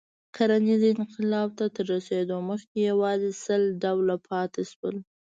کرنیز انقلاب ته تر رسېدو مخکې یواځې سل ډوله پاتې شول.